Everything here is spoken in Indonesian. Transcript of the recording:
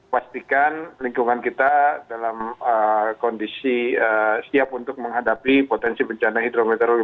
pastikan lingkungan kita dalam kondisi siap untuk menghadapi potensi bencana hidrometeorologi